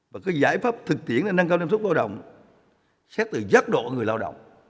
và các giải pháp thực tiễn để năng cao năng suất lao động xét từ giác độ người lao động